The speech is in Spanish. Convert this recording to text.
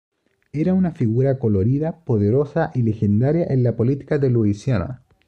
Era una figura colorida, poderosa y legendaria en la política de Luisiana.